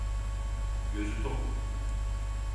Gözü tok.